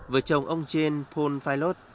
với chồng ông jean paul filot